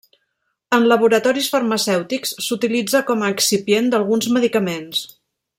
En laboratoris farmacèutics s'utilitza com a excipient d'alguns medicaments.